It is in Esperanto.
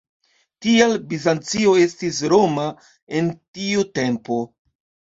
Tial Bizancio estis "Roma" en tiu tempo.